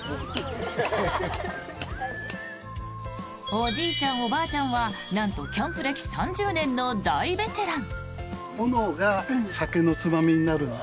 おじいちゃん、おばあちゃんはなんとキャンプ歴３０年の大ベテラン。